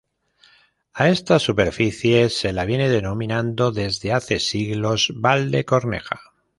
A esta superficie se la viene denominando desde hace siglos "Valdecorneja".